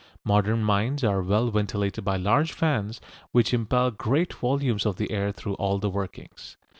Modern mines are well ventilated by large fans, which impel great volumes of air through all the workings.